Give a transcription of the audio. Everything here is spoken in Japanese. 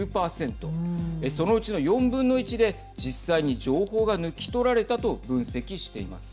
そのうちの４分の１で実際に情報が抜き取られたと分析しています。